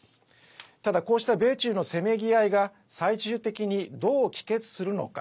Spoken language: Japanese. ただ、こうした米中のせめぎ合いが最終的に、どう帰結するのか。